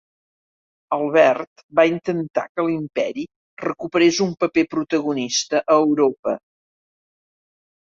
Albert va intentar que l'Imperi recuperés un paper protagonista a Europa.